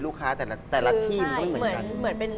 ลูกค้าแต่ละที่มันก็ไม่เหมือนกัน